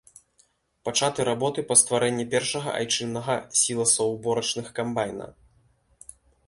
Пачаты работы па стварэнні першага айчыннага сіласаўборачных камбайна.